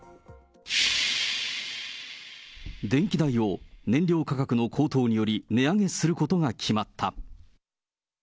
電気代を燃料価格の高騰により、値上げすることが決まった。